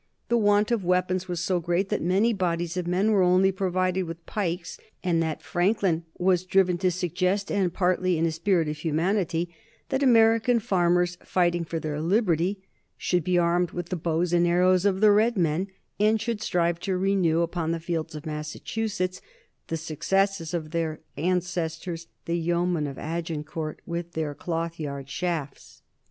The want of weapons was so great that many bodies of men were only provided with pikes, and that Franklin was driven to suggest, and partly in a spirit of humanity, that American farmers fighting for their liberty should be armed with the bows and arrows of the red men, and should strive to renew upon the fields of Massachusetts the successes of their ancestors, the yeomen of Agincourt, with their clothyard shafts.